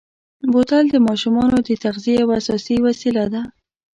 بوتل د ماشومو د تغذیې یوه اساسي وسیله ده.